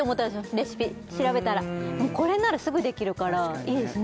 レシピ調べたらこれならすぐできるからいいですね